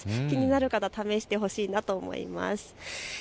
気になる方、試してほしいなと思います。